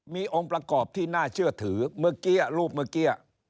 มีองค์ประกอบที่น่าเชื่อถือเมื่อกี้รูปเมื่อกี้